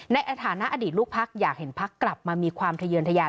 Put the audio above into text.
ในฐานะอดีตลูกพักอยากเห็นพักกลับมามีความทะเยินทะยา